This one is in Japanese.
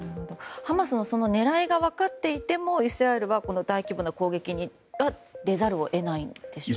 ハマスの狙いが分かっていてもイスラエルは大規模な攻撃に出ざるを得ないんでしょうか。